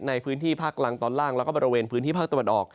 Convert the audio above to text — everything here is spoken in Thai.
ในพื้นที่ภาคกลางตอนล่างแล้วก็บริเวณพื้นที่ภาคตะวันออก